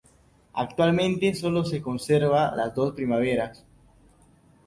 Actualmente solo se conservan las dos primeras.